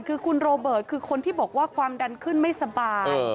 คือคุณโรเบิร์ตคือคนที่บอกว่าความดันขึ้นไม่สบาย